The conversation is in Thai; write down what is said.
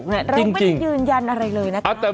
เราไม่ได้ยืนยันอะไรเลยนะคะ